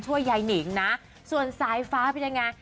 ยายหนิงนะส่วนสายฟ้าเป็นยังไง